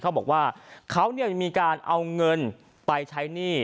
เขาบอกว่าเขามีการเอาเงินไปใช้หนี้